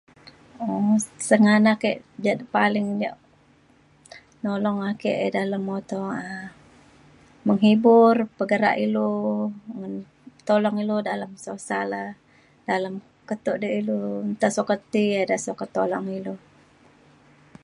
um sengganak ke ja paling ja nolong ake dalem muto um menghibur pegerak ilu ngan tolong ilu dalem susah le dalem keto de ilu nta sukat ti ida sukat tolong ilu